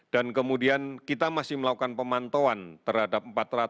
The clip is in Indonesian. dan kemudian kita masih melakukan pemantauan terhadap empat puluh satu enam ratus empat belas